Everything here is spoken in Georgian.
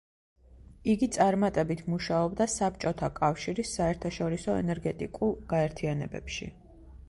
იგი წარმატებით მუშაობდა საბჭოთა კავშირის საერთაშორისო ენერგეტიკულ გაერთიანებებში.